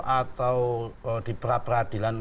atau di peradilan